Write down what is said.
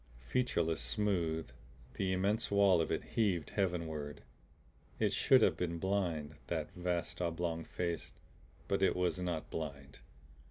Featureless, smooth, the immense wall of it heaved heavenward. It should have been blind, that vast oblong face but it was not blind.